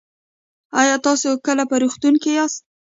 ایا تاسو کله په روغتون کې یاست؟